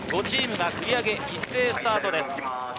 ５チームが繰り上げ一斉スタートです。